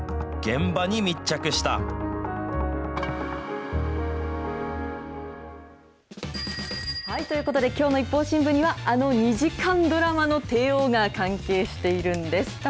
現場に密着した。ということで、きょうのＩＰＰＯＵ新聞には、あの２時間ドラマの帝王が関係しているんです。